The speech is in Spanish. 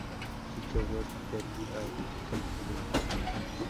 Sitio web del autódromo